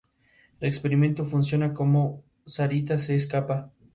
Se encuentra en Argentina, Bolivia, Brasil y Venezuela.